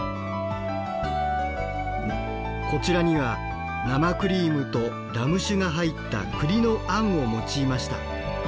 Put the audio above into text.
こちらには生クリームとラム酒が入った栗のあんを用いました。